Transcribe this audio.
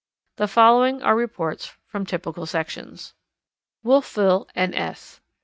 The following are reports from typical sections: Wolfville, N. S. Dec.